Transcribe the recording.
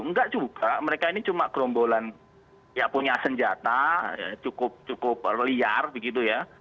enggak juga mereka ini cuma gerombolan ya punya senjata cukup liar begitu ya